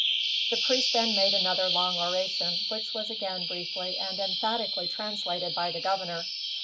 The priest then made another long oration, which was again briefly and emphatically translated by the governor.